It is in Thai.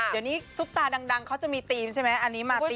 เดี๋ยวนี้ทุกตาดังเขาจะมีธีมใช่ไหม